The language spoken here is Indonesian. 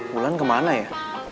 wulan kemana ya